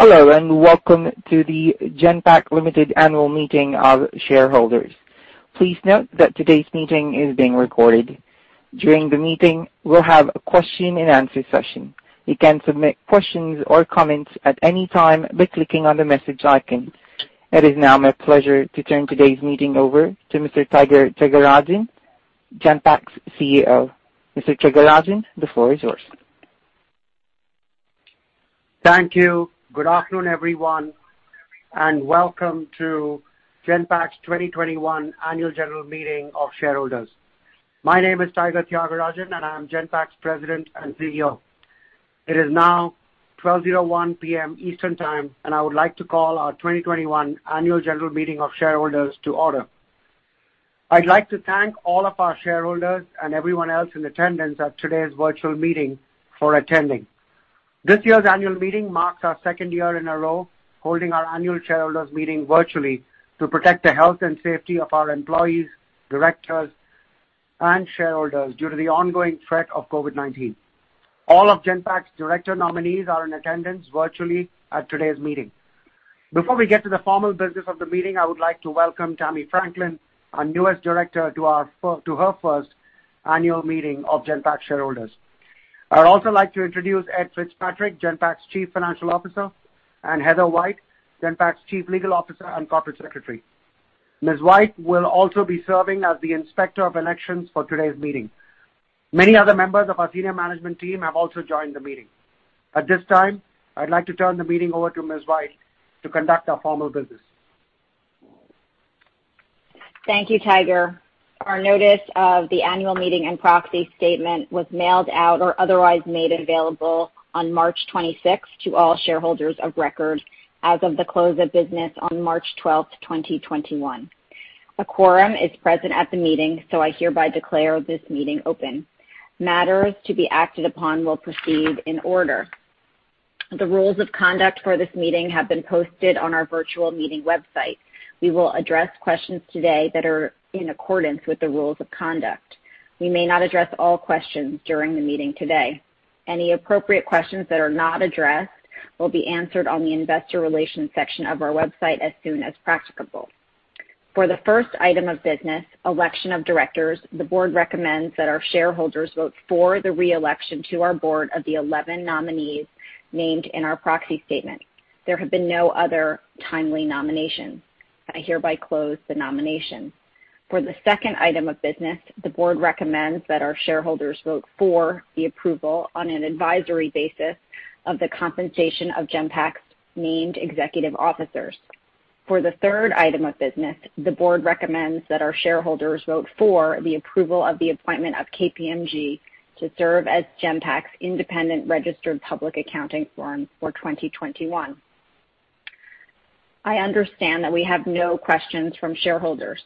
Hello, and welcome to the Genpact Limited Annual Meeting of Shareholders. Please note that today's meeting is being recorded. During the meeting, we'll have a question and answer session. You can submit questions or comments at any time by clicking on the message icon. It is now my pleasure to turn today's meeting over to Mr. Tiger Tyagarajan, Genpact's Chief Executive Officer. Mr. Tyagarajan, the floor is yours. Thank you. Good afternoon, everyone, and welcome to Genpact's 2021 Annual General Meeting of Shareholders. My name is Tiger Tyagarajan, and I'm Genpact's President and Chief Executive Officer. It is now 12:01 P.M. Eastern Time, and I would like to call our 2021 Annual General Meeting of Shareholders to order. I'd like to thank all of our shareholders and everyone else in attendance at today's virtual meeting for attending. This year's annual meeting marks our second year in a row holding our annual shareholders meeting virtually to protect the health and safety of our employees, directors, and shareholders due to the ongoing threat of COVID-19. All of Genpact's Director nominees are in attendance virtually at today's meeting. Before we get to the formal business of the meeting, I would like to welcome Tammy Franklin, our newest Director, to her first annual meeting of Genpact shareholders. I'd also like to introduce Ed Fitzpatrick, Genpact's Chief Financial Officer, and Heather White, Genpact's Chief Legal Officer and Corporate Secretary. Ms. White will also be serving as the Inspector of Elections for today's meeting. Many other members of our senior management team have also joined the meeting. At this time, I'd like to turn the meeting over to Ms. White to conduct our formal business. Thank you, Tiger. Our notice of the annual meeting and proxy statement was mailed out or otherwise made available on March 26th to all shareholders of record as of the close of business on March 12th, 2021. A quorum is present at the meeting. I hereby declare this meeting open. Matters to be acted upon will proceed in order. The rules of conduct for this meeting have been posted on our virtual meeting website. We will address questions today that are in accordance with the rules of conduct. We may not address all questions during the meeting today. Any appropriate questions that are not addressed will be answered on the investor relations section of our website as soon as practicable. For the first item of business, election of directors, the board recommends that our shareholders vote for the re-election to our board of the 11 nominees named in our proxy statement. There have been no other timely nominations. I hereby close the nominations. For the second item of business, the board recommends that our shareholders vote for the approval on an advisory basis of the compensation of Genpact's named executive officers. For the third item of business, the board recommends that our shareholders vote for the approval of the appointment of KPMG to serve as Genpact's independent registered public accounting firm for 2021. I understand that we have no questions from shareholders.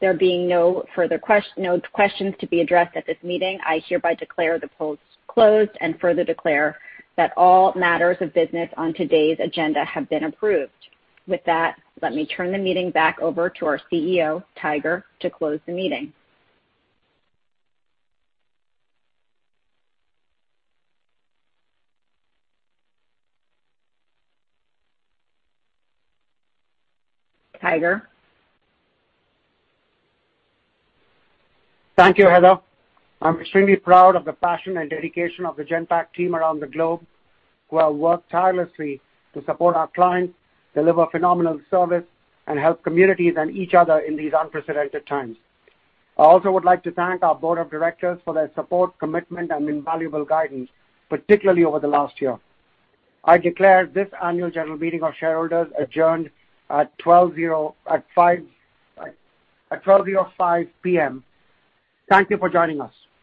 There being no questions to be addressed at this meeting, I hereby declare the polls closed and further declare that all matters of business on today's agenda have been approved. With that, let me turn the meeting back over to our Chief Executive Officer, Tiger, to close the meeting. Tiger? Thank you, Heather. I'm extremely proud of the passion and dedication of the Genpact team around the globe, who have worked tirelessly to support our clients, deliver phenomenal service, and help communities and each other in these unprecedented times. I also would like to thank our board of directors for their support, commitment, and invaluable guidance, particularly over the last year. I declare this Annual General Meeting of Shareholders adjourned at 12:05 P.M. Thank you for joining us.